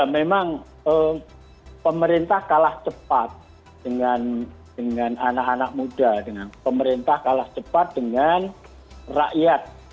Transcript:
memang pemerintah kalah cepat dengan anak anak muda dengan pemerintah kalah cepat dengan rakyat